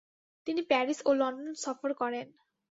তিনি প্যারিস ও লন্ডন সফর করেন।